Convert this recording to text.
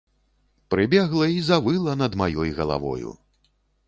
Прыбегла і завыла над маёй галавою.